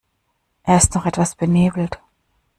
Er ist noch etwas benebelt.